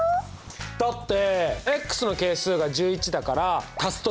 だっての係数が１１だから足すと１１。